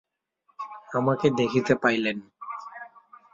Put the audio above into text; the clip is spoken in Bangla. আমাকে দেখিতে পাইলেন।